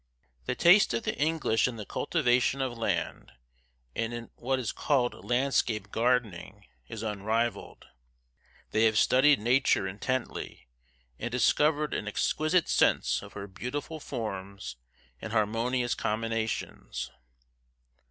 The taste of the English in the cultivation of land, and in what is called landscape gardening, is unrivalled. They have studied Nature intently, and discovered an exquisite sense of her beautiful forms and harmonious combinations.